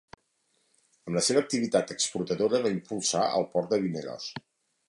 Amb la seva activitat exportadora va impulsar el port de Vinaròs.